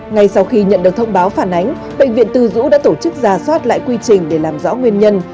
ngay sau khi nhận được thông báo phản ánh bệnh viện tư dũ đã tổ chức ra soát lại quy trình để làm rõ nguyên nhân